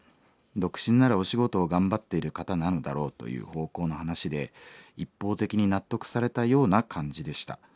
独身ならお仕事を頑張っている方なのだろうという方向の話で一方的に納得されたような感じでした。